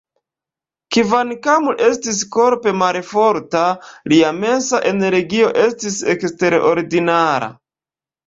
Kvankam li estis korpe malforta, lia mensa energio estis eksterordinara.